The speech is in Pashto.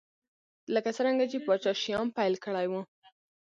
لکه څرنګه چې پاچا شیام پیل کړی و.